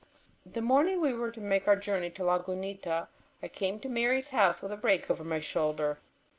The morning we were to make our journey to Lagunita, I came to Mary's house with a rake over my shoulder.